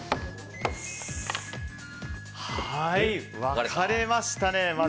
分かれましたね。